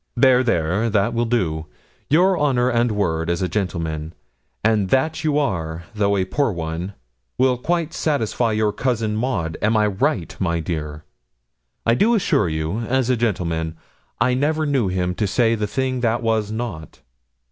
'There, there that will do; your honour and word as a gentleman and that you are, though a poor one will quite satisfy your cousin Maud. Am I right, my dear? I do assure you, as a gentleman, I never knew him to say the thing that was not.'